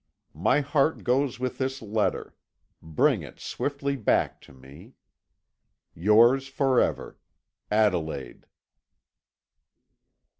"My heart goes with this letter; bring it swiftly back to me." "Yours for ever, "Adelaide."